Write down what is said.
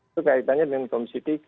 itu kaitannya dengan komisi tiga